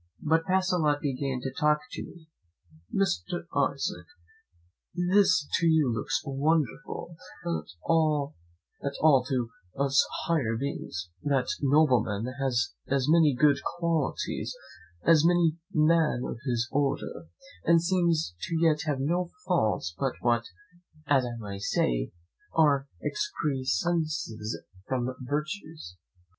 But Pacolet began to talk to me. "Mr. Isaac, this to you looks wonderful, but not at all to us higher beings: that nobleman has as many good qualities as any man of his order, and seems to have no faults but what, as I may say, are excrescences from virtues.